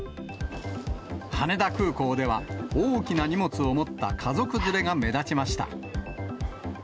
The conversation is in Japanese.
羽田空港では、大きな荷物を持った家族連れが目立ちました。